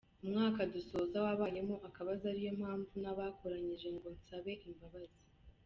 Umwaka dusoza wabayemo akabazo ari yo mpamvu nabakoranyije ngo nsabe imbabazi.